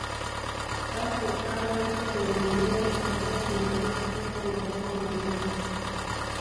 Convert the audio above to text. Baatuuka awantu eyo mu nnyanja eryato ne lyefuula ne bagwa mu mazzi.